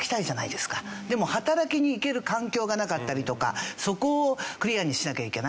でも働きに行ける環境がなかったりとかそこをクリアにしなきゃいけない。